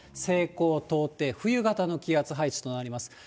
西高東低、冬型の気圧配置となります。